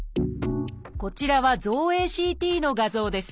こちらは造影ＣＴの画像です。